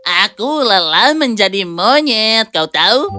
aku lelah menjadi monyet kau tahu